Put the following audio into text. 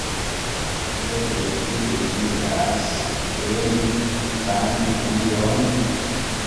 Eble vi deziras, ke ni kantu ion?